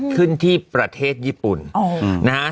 สุดท้ายสุดท้าย